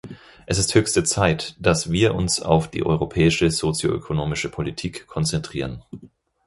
Es ist höchste Zeit, dass wir uns auf die europäische sozioökonomische Politik konzentrieren.